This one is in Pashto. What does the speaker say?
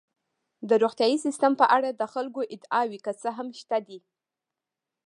د روغتیايي سیستم په اړه د خلکو ادعاوې که څه هم شته دي.